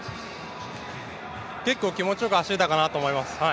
結構気持ちよく走れたかと思います。